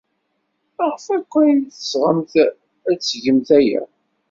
Maɣef akk at teɣsemt ad tgemt aya?